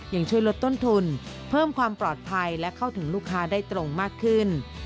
ยังช่วยลดต้นทุนเพิ่มความปลอดภัยและเข้าถึงลูกค้าได้ตรงมากขึ้น